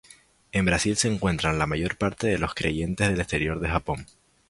En Brasil se encuentran la mayor parte de los creyentes del exterior de Japón.